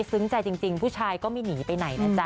ใจจริงผู้ชายก็ไม่หนีไปไหนนะจ๊